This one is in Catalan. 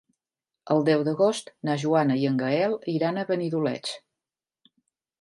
El deu d'agost na Joana i en Gaël iran a Benidoleig.